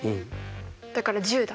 だから１０だ。